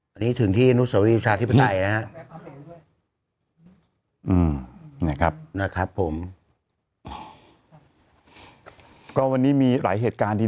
อันนี้ถึงที่หนุสวิสาทธิพทัยนะฮะ